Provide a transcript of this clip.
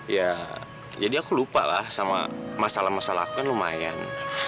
ya jadi aku lupa lah sama masalah masalah aku kan lumayan